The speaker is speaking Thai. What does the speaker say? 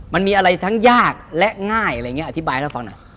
มันมีอะไรทั้งยากและง่ายอะไรอย่างนี้อธิบายให้เราฟังหน่อย